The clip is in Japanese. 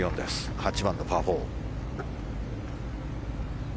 ８番のパー４。